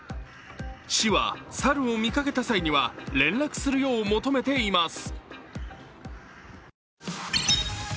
市は猿を見かけた際には連絡するよう求めています。